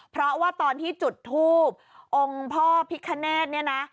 เพราะว่าตอนที่จุดทูบองค์พ่อพิคเนธเนี่ยนะ